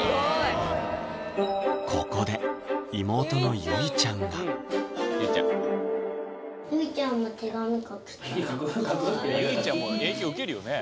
ここで妹のゆいちゃんがゆいちゃんも影響受けるよね